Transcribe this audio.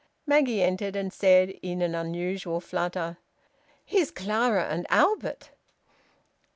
Maggie entered, and said, in an unusual flutter "Here's Clara and Albert!"